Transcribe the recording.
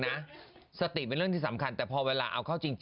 ไหมถึงเตะรูปเอาไว้กันใช่มั้ย